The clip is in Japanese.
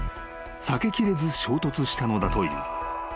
［避けきれず衝突したのだという］